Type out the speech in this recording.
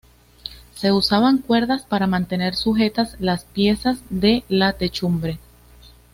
Se usaban cuerdas para mantener sujetas las piezas de la techumbre.